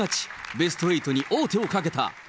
ベスト８に王手をかけた。